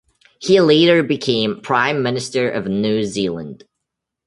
He later became Prime Minister of New Zealand.